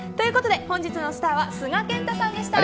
本日のスターは須賀健太さんでした。